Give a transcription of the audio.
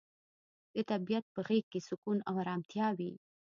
د طبیعت په غیږ کې سکون او ارامتیا وي.